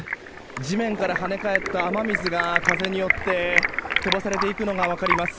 地面から跳ね返った雨水が風によって飛ばされていくのが分かります。